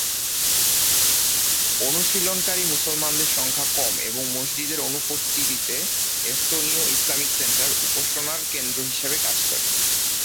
অনুশীলনকারী মুসলমানদের সংখ্যা কম এবং মসজিদের অনুপস্থিতিতে এস্তোনীয় ইসলামিক সেন্টার উপাসনার কেন্দ্র হিসেবে কাজ করে।